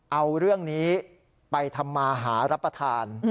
เอาเรื่องนี้ไปทำมาหารับประทาน